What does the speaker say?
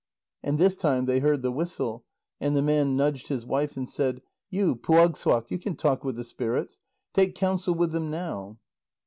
And this time they heard the whistle, and the man nudged his wife and said: "You, Puagssuaq, you can talk with the spirits. Take counsel with them now."